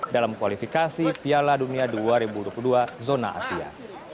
dalam kualifikasi piala dunia dua ribu dua puluh dua zona asia